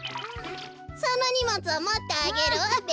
そのにもつをもってあげるわべ。